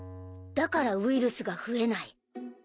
だからウイルスが増えない。